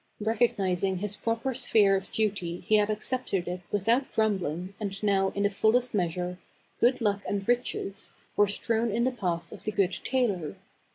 Recognizing his proper sphere of duty he had ac cepted it without grumbling and now in the full est measure, "Good Luck and Riches" were strewn in the path of the good tailor.